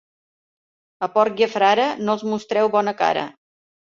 A porc i a frare no els mostreu bona cara.